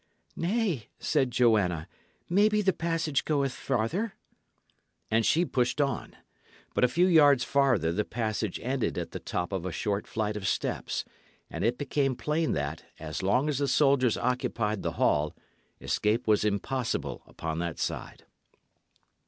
"Nay," said Joanna; "maybe the passage goeth farther." And she pushed on. But a few yards farther the passage ended at the top of a short flight of steps; and it became plain that, as long as the soldiers occupied the hall, escape was impossible upon that side.